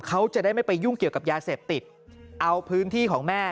เขาจะได้ไม่ไปยุ่งเกี่ยวกับยาเสพติดเอาพื้นที่ของแม่